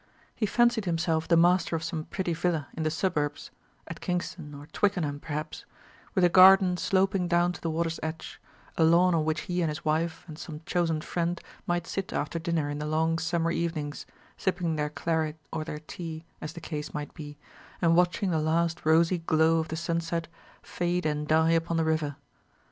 He fancied himself the master of some pretty villa in the suburbs at Kingston or Twickenham, perhaps with a garden sloping down to the water's edge, a lawn on which he and his wife and some chosen friend might sit after dinner in the long summer evenings, sipping their claret or their tea, as the case might be, and watching the last rosy glow of the sunset fade and die upon the river.